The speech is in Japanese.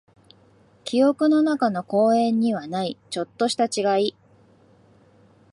記憶の中の公園にはない、ちょっとした違い。